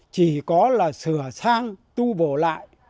chỉ có là sửa sang tu vổ lại chứ không được phép xây dựng